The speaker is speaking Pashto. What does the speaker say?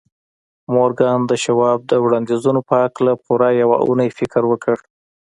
مورګان د شواب د وړانديزونو په هکله پوره يوه اونۍ فکر وکړ.